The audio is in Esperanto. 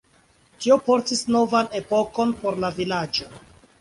Tio portis novan epokon por la vilaĝo.